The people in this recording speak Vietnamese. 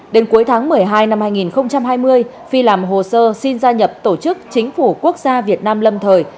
đến cuối tháng một mươi hai năm hai nghìn hai mươi phi làm hồ sơ xin gia nhập tổ chức chính phủ quốc gia việt nam lâm thời